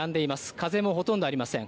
風もほとんどありません。